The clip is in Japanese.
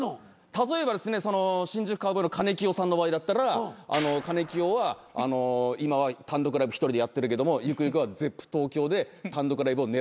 例えばですね新宿カウボーイのかねきよさんの場合だったらかねきよは今は単独ライブ１人でやってるけどもゆくゆくはＺｅｐｐＴｏｋｙｏで単独ライブを狙っているみたいな。